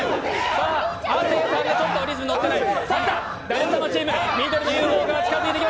さあ、亜生さんがちょっとリズムに乗っていない。